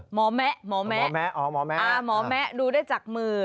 หมอแมะหมอแมะหมอแมหมอแมะดูได้จากมือ